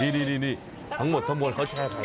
นี่ทั้งหมดท่ำมวลเค้าแช่ไข่เลยนะ